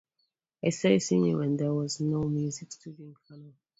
I started singing when there was no music studio in Kano.